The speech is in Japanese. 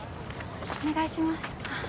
お願いします。